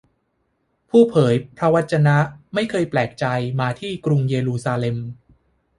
ผู้เผยพระวจนะไม่เคยแปลกใจมาที่กรุงเยรูซาเล็ม